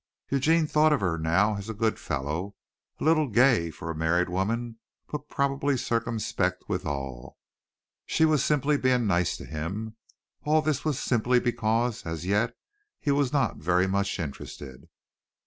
Eugene thought of her now as a good fellow, a little gay for a married woman, but probably circumspect withal. She was simply being nice to him. All this was simply because, as yet, he was not very much interested.